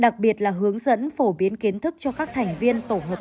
đặc biệt là hướng dẫn phổ biến kiến thức cho các thành viên tổ hợp tác